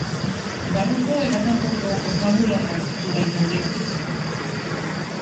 Barruko eta kanpoko horma-bularrak ditu baita ere.